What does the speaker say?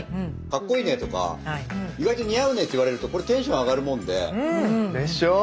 かっこいいねとか意外と似合うねって言われるとこれテンション上がるもんで。でしょう？